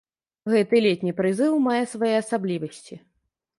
Гэты летні прызыў мае свае асаблівасці.